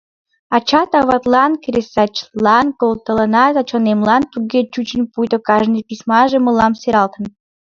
Ачат-аватлан, кресачатлан колтылынат, а чонемлан туге чучын, пуйто кажне письмаже мылам сералтын.